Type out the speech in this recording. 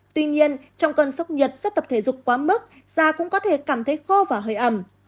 tuy nhiên trong cơn sốc nhiệt sau tập thể dục quá mức da cũng có thể cảm thấy khô và hơi ẩm